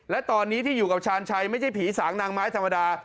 และตอนนี้ที่อยู่กับชาญชัยไม่ใช่ผีสางนางไม้ธรรมดา